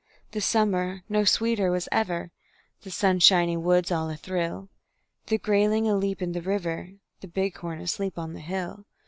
The summer no sweeter was ever; The sunshiny woods all athrill; The grayling aleap in the river, The bighorn asleep on the hill.